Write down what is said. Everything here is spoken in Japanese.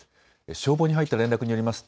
消防に入った連絡によります